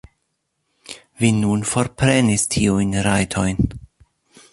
Vi nun forprenis tiujn rajtojn.